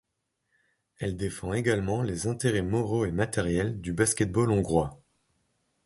Elle défend également les intérêts moraux et matériels du basket-ball hongrois.